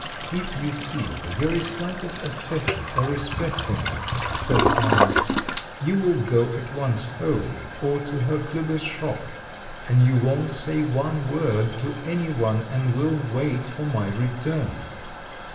"If you feel the very slightest affection or respect for me," said Sanin, "you will go at once home or to Herr Klüber's shop, and you won't say one word to any one, and will wait for my return!"